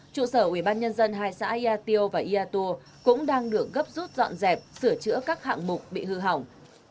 trụ sở ubnd hai xã yatio và yatua cũng đang được gấp rút dọn dẹp sửa chữa các hạng mục bị hư hỏng